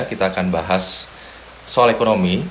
kita akan bahas soal ekonomi